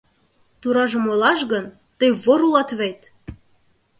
Туражым ойлаш гын, тый вор улат вет!